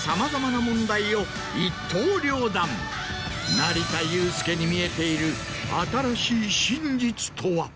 成田悠輔に見えている新しい真実とは？